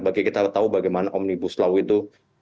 bagi kita tahu bagaimana omnibus law itu